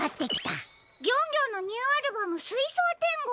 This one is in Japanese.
ギョンギョンのニューアルバム「すいそう天国」。